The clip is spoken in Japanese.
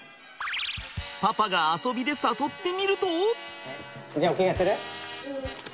パパが遊びで誘ってみると。